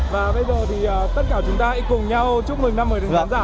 và bây giờ thì tất cả chúng ta hãy cùng nhau chúc mừng năm mới từng khán giả nhé